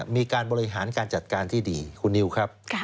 มีการบริหารการจัดการที่ดีคุณนิวครับ